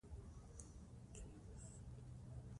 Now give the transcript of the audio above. ازادي راډیو د د ښځو حقونه په اړه سیمه ییزې پروژې تشریح کړې.